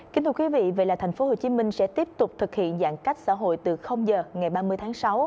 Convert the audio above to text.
kính thưa quý vị thành phố hồ chí minh sẽ tiếp tục thực hiện giãn cách xã hội từ giờ ngày ba mươi tháng sáu